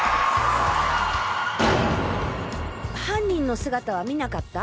犯人の姿は見なかった？